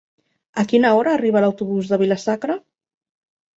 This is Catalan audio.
A quina hora arriba l'autobús de Vila-sacra?